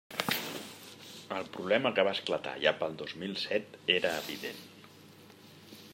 El problema que va esclatar allà pel dos mil set era evident.